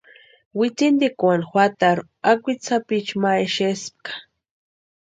Wintsintikwani juatarhu akwitsi sapichuni ma exespka.